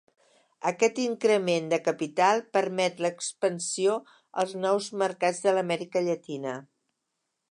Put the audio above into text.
Aquest increment de capital permet l'expansió als nous mercats de l'Amèrica Llatina.